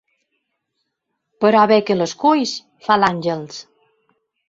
Però bé que les culls –fa l'Àngels.